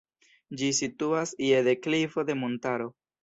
Ĝi situas je deklivo de montaro.